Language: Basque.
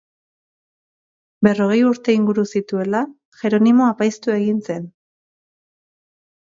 Berrogei urte inguru zituela, Jeronimo apaiztu egin zen.